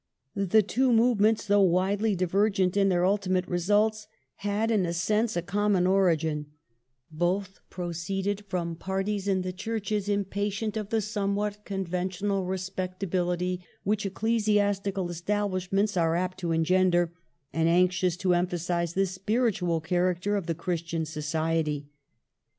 The two movements, though widely diver ^stical gent in their ultimate results, had, in a sense, a common origin, ments Both proceeded from parties in the Churches impatient of the somewhat conventional respectability which Ecclesiastical Establish ments are apt to engender, and anxious to emphasize the spiritual character of the Christian society.